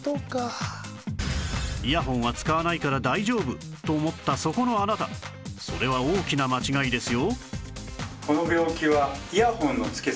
イヤホンは使わないから大丈夫と思ったそこのあなたそれは大きな間違いですよ